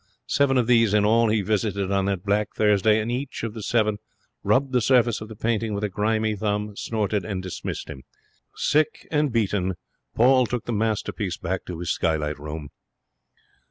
Seven of these in all he visited on that black Thursday, and each of the seven rubbed the surface of the painting with a grimy thumb, snorted, and dismissed him. Sick and beaten, Paul took the masterpiece back to his skylight room.